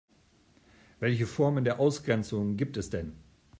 Welche Formen der Ausgrenzung gibt es denn?